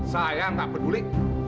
saya gak peduli